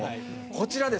こちらですね